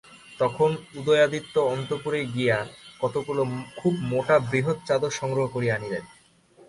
তখন উদয়াদিত্য অন্তঃপুরে গিয়া কতকগুলা খুব মোটা বৃহৎ চাদর সংগ্রহ করিয়া আনিলেন।